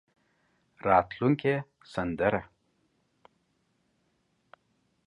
راتلونکې سندره.